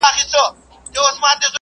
مدار یې لږ بدل شو.